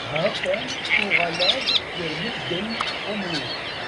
Ha-t-an uɣaleɣ-d gar medden am wi.